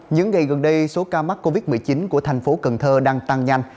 những ngày gần đây số ca mắc covid một mươi chín của tp hcm đang tăng nhanh